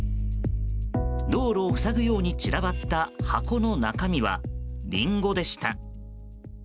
道路を塞ぐように散らばった箱の中身はリンゴでした。